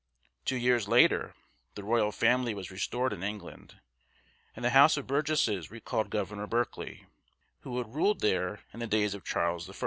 Two years later, the royal family was restored in England, and the House of Burgesses recalled Governor Berkeley, who had ruled there in the days of Charles I.